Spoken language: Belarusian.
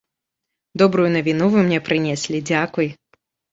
Добрую навіну вы мне прынеслі, дзякуй!